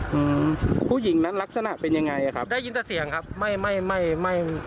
อืมผู้หญิงนั้นลักษณะเป็นยังไงอ่ะครับได้ยินแต่เสียงครับไม่ไม่ไม่ไม่